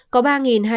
có ba hai trăm linh ca